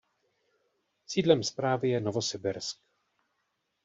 Sídlem správy je Novosibirsk.